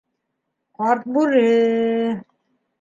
Ҡарт бүре...